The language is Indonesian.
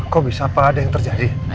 kok bisa apa ada yang terjadi